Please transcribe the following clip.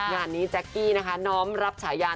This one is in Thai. งานนี้แจ๊กกี้นะคะน้อมรับฉายา